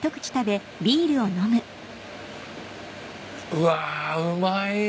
うわうまい。